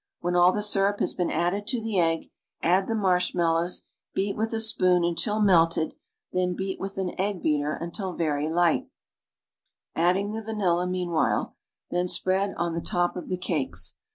When all the syrup has been added to the egg, add the marshmallows, beat with a spoon until melted, then beat with an egg beater until very light, adding the vanilla meanwhile, then spread on the top of the cakes.